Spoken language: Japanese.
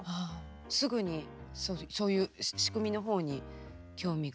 すぐにそういう仕組みの方に興味が？